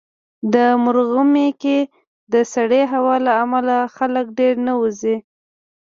مرغومی کې د سړې هوا له امله خلک ډېر نه وځي.